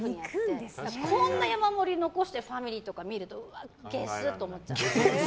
こんな山盛り残してるファミリーとか見るとうわ、ゲスって思う。